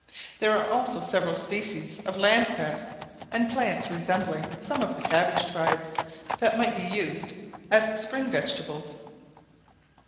There are also several species of land cress, and plants resembling some of the cabbage tribes, that might be used as spring vegetables.